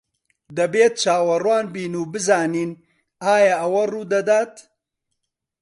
دەبێت چاوەڕوان بین و بزانین ئایا ئەوە ڕوودەدات.